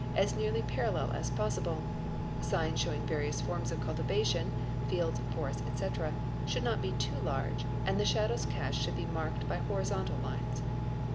as nearly parallel as possible; signs show ing various forms of cultivation (fields, forests, etc.) should not be too. large and the shadows cast should be marked by horizontal lines.